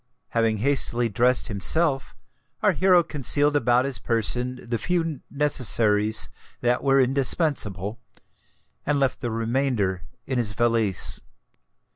Having hastily dressed himself, our hero concealed about his person the few necessaries that were indispensable, and left the remainder in his valise.